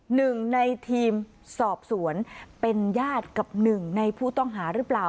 หนึ่งในทีมสอบสวนเป็นญาติกับหนึ่งในผู้ต้องหาหรือเปล่า